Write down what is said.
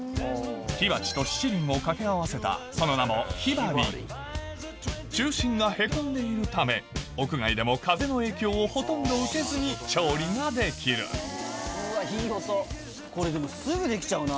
火鉢と七輪を掛け合わせたその名も中心がへこんでいるため屋外でも風の影響をほとんど受けずに調理ができるこれでもすぐできちゃうな。